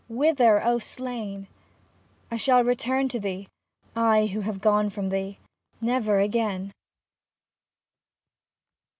Whither, O Slain ! I shall return to thee, I who have gone from thee, never again.